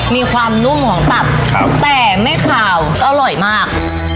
มีความนุ่มของตับแต่ไม่ขาวก็อร่อยมาก